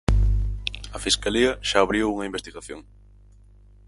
A Fiscalía xa abriu unha investigación.